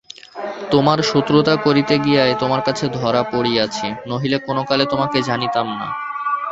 তোমার শত্রুতা করিতে গিয়াই তোমার কাছে ধরা পড়িয়াছি, নহিলে কোনোকালে তোমাকে জানিতাম না।